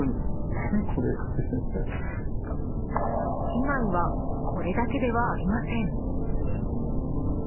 被害はこれだけではありません。